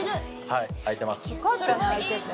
はい空いてます。